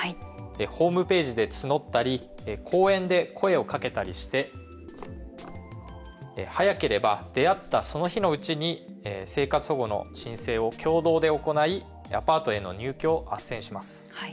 ホームページで募ったり公園で声をかけたりして早ければ出会った、その日のうちに生活保護の申請を共同で行いアパートへの入居をあっせんします。